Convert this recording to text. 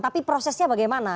tapi prosesnya bagaimana